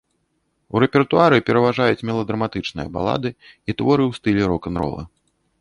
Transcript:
У рэпертуары пераважаюць меладраматычныя балады і творы ў стылі рок-н-рола.